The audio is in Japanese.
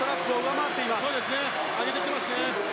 上げてきてますね。